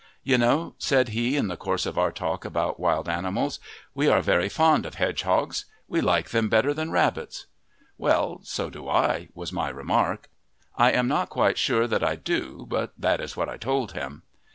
"You know," said he, in the course of our talk about wild animals, "we are very fond of hedgehogs we like them better than rabbits." "Well, so do I," was my remark. I am not quite sure that I do, but that is what I told him.